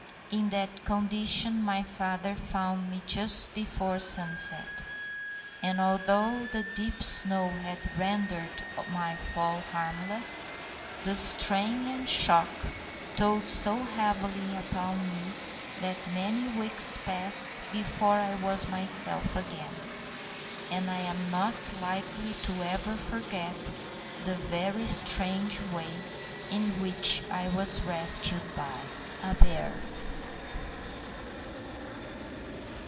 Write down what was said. In that condition my father found me just before sunset; and although the deep snow had rendered my fall harmless, the strain and shock told so heavily upon me that many weeks passed before I was myself again, and I am not likely to ever forget the very strange way in which I was rescued by a bear.